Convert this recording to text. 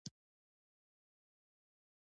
آیا پښتو زموږ مورنۍ ژبه نه ده؟